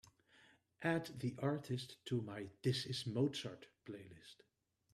Add the artist to my This Is Mozart playlist.